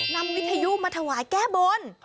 วิทยุมาถวายแก้บน